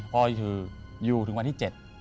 พออยู่ถึงวันที่๗